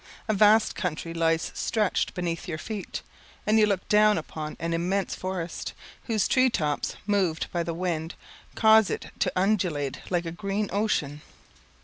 A vast country lies stretched beneath your feet, and you look down upon an immense forest, whose tree tops, moved by the wind, cause it to undulate like a green ocean.